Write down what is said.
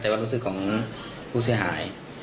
แต่ก็คิดว่าเป็นใครหรอก